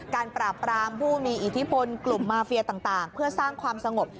ปราบปรามผู้มีอิทธิพลกลุ่มมาเฟียต่างเพื่อสร้างความสงบ